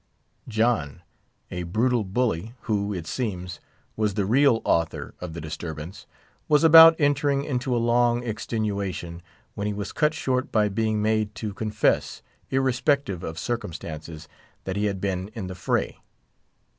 John—a brutal bully, who, it seems, was the real author of the disturbance—was about entering into a long extenuation, when he was cut short by being made to confess, irrespective of circumstances, that he had been in the fray.